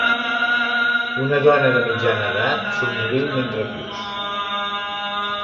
Una dona de mitjana edat somriu mentre cus.